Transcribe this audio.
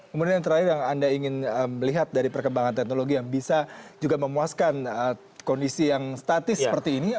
kemudian yang terakhir yang anda ingin melihat dari perkembangan teknologi yang bisa juga memuaskan kondisi yang statis seperti ini